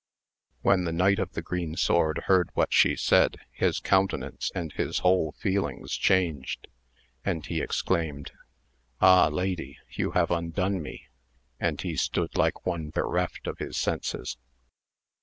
When the Knight of the Green Sword heard what she said, his countenance and his whole feelings changed, and he exclaimed, Ah lady, you have undone me ! and he stood like one bereft of his senses.